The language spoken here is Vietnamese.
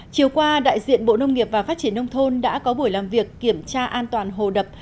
chiều qua đại diện bộ nông nghiệp và phát triển nông thôn đã có buổi làm việc kiểm tra an toàn hồ đập